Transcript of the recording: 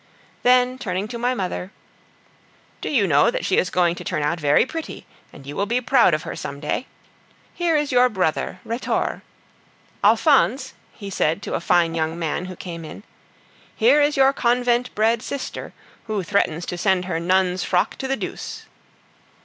Then, turning to my mother, "Do you know that she is going to turn out very pretty, and you will be proud of her some day? Here is your brother, Rhetore. Alphonse," he said to a fine young man who came in, "here is your convent bred sister, who threatens to send her nun's frock to the deuce."